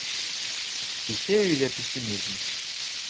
Ці сею я песімізм?